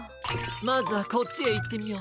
まずはこっちへいってみよう。